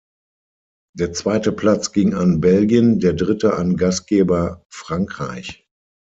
Der zweite Platz ging an Belgien, der dritte an Gastgeber Frankreich.